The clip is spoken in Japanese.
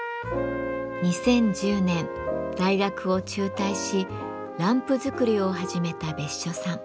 ２０１０年大学を中退しランプ作りを始めた別所さん。